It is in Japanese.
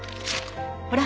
ほら。